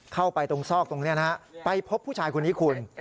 เข้าไปตรงซอกตรงนี้นะฮะไปพบผู้ชายคนนี้คุณ